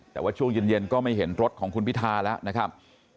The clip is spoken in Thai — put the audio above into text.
แต่ว่าช่วงเย็นก็ไม่เห็นรถของคุณพิทาแล้วนะครับ